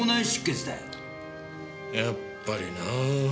やっぱりなぁ。